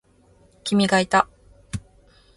君がいた。